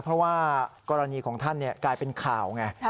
เพราะว่ากรณีของท่านกลายเป็นข่าวไง